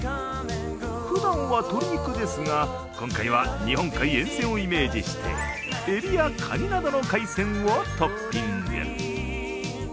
ふだんは鶏肉ですが、今回は日本海沿線をイメージしてえびや、かになどの海鮮をトッピング。